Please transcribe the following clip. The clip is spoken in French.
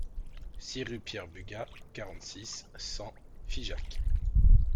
six rue Pierre Bugat, quarante-six, cent, Figeac